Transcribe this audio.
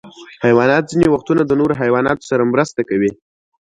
حیوانات ځینې وختونه د نورو حیواناتو سره مرسته کوي.